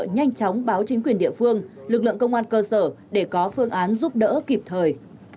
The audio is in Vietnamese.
nhanh chóng báo chính quyền địa phương lực lượng công an cơ sở để có phương án giúp đỡ kịp thời